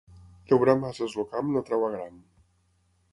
Llaurar amb ases el camp no treu agram.